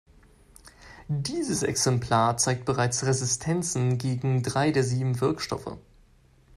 Dieses Exemplar zeigt bereits Resistenzen gegen drei der sieben Wirkstoffe.